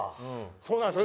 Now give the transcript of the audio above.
そうなんですよ。